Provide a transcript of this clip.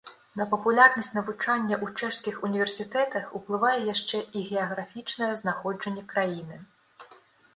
На папулярнасць навучання ў чэшскіх універсітэтах уплывае яшчэ і геаграфічнае знаходжанне краіны.